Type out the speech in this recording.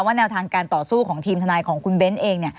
แนวทางการต่อสู้ของทีมทนายของคุณเบ้นเอง